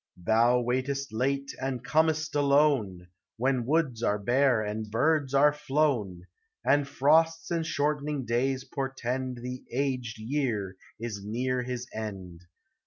Thou waitest late, and com'st alone, When woods are bare and birds are flown, And frosts and. shortening days portend The aged Year is near his end.